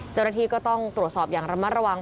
เจ้าหน้าที่ก็ต้องตรวจสอบอย่างระมัดระวัง